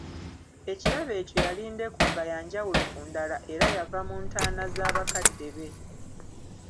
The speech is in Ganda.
Ekirabo ekyo yali ndeku nga ya njawulo ku ndala era yava mu ntaana za bakadde be.